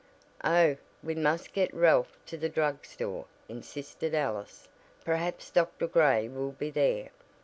"Oh, we must get Ralph to the drug store," insisted Alice. "Perhaps Dr. Gray will be there.